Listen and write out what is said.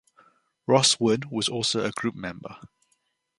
Ross Wood was also a group member.